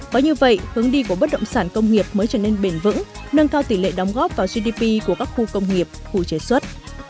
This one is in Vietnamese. bởi như vậy hướng đi của bất động sản công nghiệp mới trở nên bền vững nâng cao tỷ lệ đóng góp vào gdp của các khu công nghiệp khu chế xuất